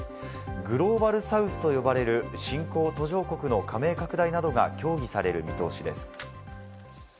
グローバルサウスと呼ばれる新興・途上国の加盟拡大などが協議される見通しです。